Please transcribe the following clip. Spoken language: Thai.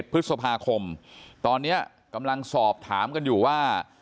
พฤษภาคมตอนนี้กำลังสอบถามกันอยู่ว่า